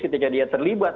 ketika dia terlibat